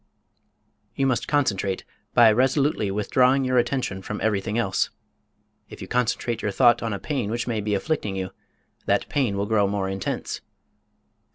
You must concentrate by resolutely withdrawing your attention from everything else. If you concentrate your thought on a pain which may be afflicting you, that pain will grow more intense.